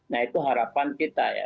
nah itu harapan kita ya